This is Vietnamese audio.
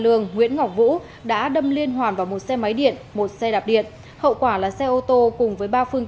liên tiếp có vụ việc phức tạp làm ảnh hưởng